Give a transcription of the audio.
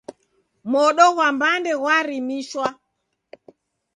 Modo ghwa mbande ghwarimishwa.